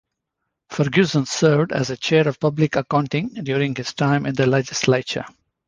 Ferguson served as chair of public accounting during his time in the legislature.